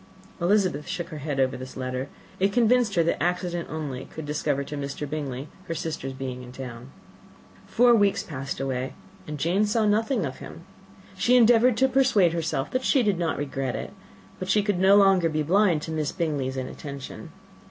Elizabeth shook her head over this letter. It convinced her that accident only could discover to Mr. Bingley her sister's being in town. Four weeks passed away, and Jane saw nothing of him. She endeavoured to persuade herself that she did not regret it; but she could no longer be blind to Miss Bingley's inattention.